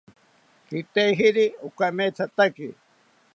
Kitejiri okamethataki